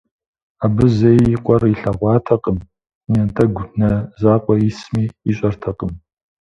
Абы зэи и къуэр илъэгъуатэкъым, и натӏэгу нэ закъуэ исми ищӏэртэкъым.